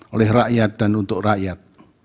oleh rakyat dan untuk rakyat